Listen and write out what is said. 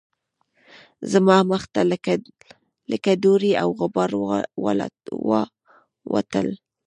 زما مخ ته لکه دوړې او غبار والوتل